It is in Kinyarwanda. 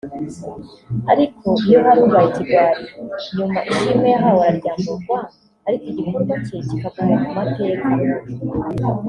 ariko iyo hari ubaye ikigwari nyuma ishimwe yahawe aryamburwa ariko igikorwa cye kikaguma mu mateka